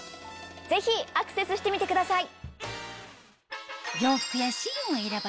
ぜひアクセスしてみてください！